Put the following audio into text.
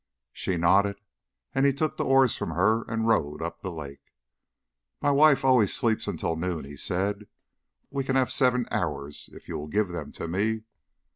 She nodded, and he took the oars from her and rowed up the lake. "My wife always sleeps until noon," he said. "We can have seven hours if you will give them to me."